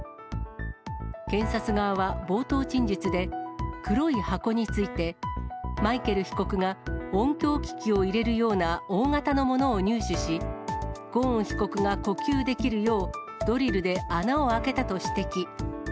検察側は冒頭陳述で、黒い箱について、マイケル被告が音響機器を入れるような大型のものを入手し、ゴーン被告が呼吸できるよう、ドリルで穴を開けたと指摘。